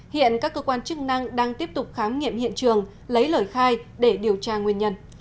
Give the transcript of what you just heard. hiện các cơ quan chức năng đang tiếp tục khám nghiệm hiện trường lấy lời khai để điều tra nguyên nhân